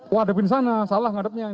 wah depan sana salah ngadepnya ini